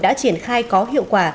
đã triển khai có hiệu quả